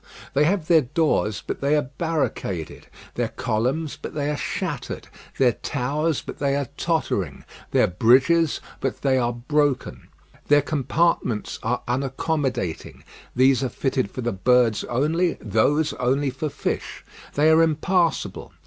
They have their doors, but they are barricaded; their columns, but they are shattered; their towers, but they are tottering; their bridges, but they are broken. Their compartments are unaccommodating; these are fitted for the birds only, those only for fish. They are impassable.